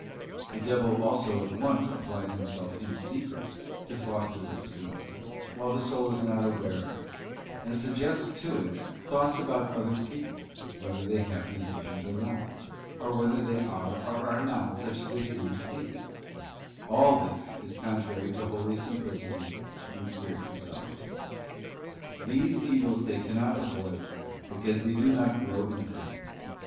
The devil also at once applies himself in secret to foster this feeling, while the soul is not aware of it, and suggests to it thoughts about other people, whether they have these visions or not, or whether they are or are not such as they seem to be: all this is contrary to holy simplicity and spiritual solitude. These evils they cannot avoid, because they do not grow in faith.